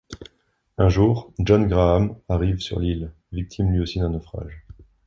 Un jour, John Graham arrive sur l'île, victime lui aussi d'un naufrage.